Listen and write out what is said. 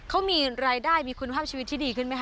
เขามีรายได้มีคุณภาพชีวิตที่ดีขึ้นไหมค